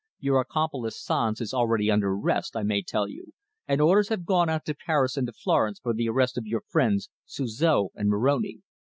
"Your accomplice Sanz is already under arrest, I may tell you, and orders have gone out to Paris and to Florence for the arrest of your friends Suzor and Moroni."